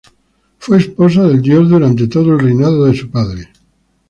Fue esposa del dios durante todo el reinado de su padre.